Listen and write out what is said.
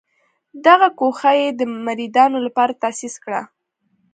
دغه ګوښه یې د مریدانو لپاره تاسیس کړه.